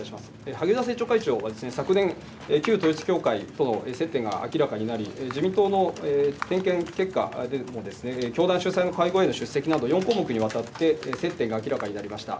萩生田政調会長は昨年、旧統一教会との接点が明らかになり、自民党の点検結果でも、教団主催の会合への出席など、４項目にわたって接点が明らかになりました。